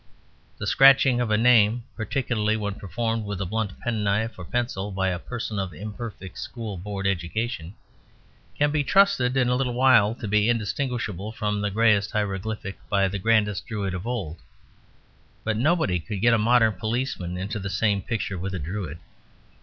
The scratching of a name, particularly when performed with blunt penknife or pencil by a person of imperfect School Board education, can be trusted in a little while to be indistinguishable from the grayest hieroglyphic by the grandest Druid of old. But nobody could get a modern policeman into the same picture with a Druid.